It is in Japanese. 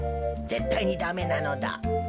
ぜったいにダメなのだ。